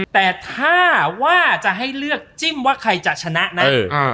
แต่ถ้าว่าจะให้เลือกจิ้มว่าใครจะชนะนะ